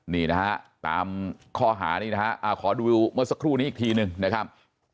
นี่นะฮะตามข้อหานี่นะฮะขอดูเมื่อสักครู่นี้อีกทีหนึ่งนะครับ